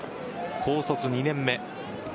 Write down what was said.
高卒２年目。